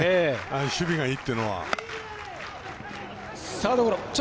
守備がいいっていうのは。